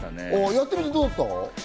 やってみてどうだった？